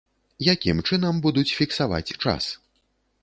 Якім чынам будуць фіксаваць час?